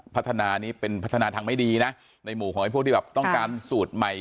พัฒนานี้เป็นพัฒนาทางไม่ดีนะในหมู่ของไอ้พวกที่แบบต้องการสูตรใหม่